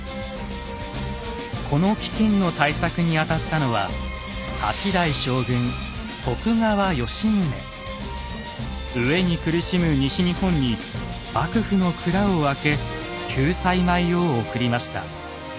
この飢きんの対策に当たったのは飢えに苦しむ西日本に幕府の蔵を開け救済米を送りました。